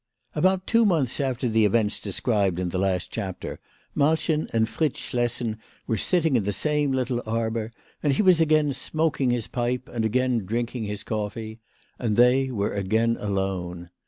ABOUT two months after the events described in the last chapter, Malchen and Fritz Schlessen were sitting in the same little arbour, and he was again smoking his pipe, and again drinking his coffee. And they were again alone.